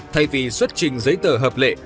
thay vì xuất trình giấy tờ hợp lệ